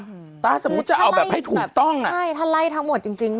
อืมถ้าสมมุติจะเอาแบบให้ถูกต้องอ่ะใช่ถ้าไล่ทั้งหมดจริงจริง